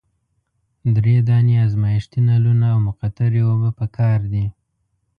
دری دانې ازمیښتي نلونه او مقطرې اوبه پکار دي.